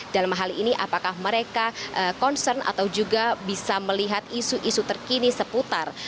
dalam hal ini apakah mereka concern atau juga bisa melihat isu isu terkini seputar